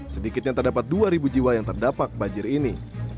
sedikitnya terdapat dua jiwa yang terdapat banjir ini